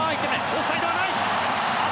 オフサイドはない。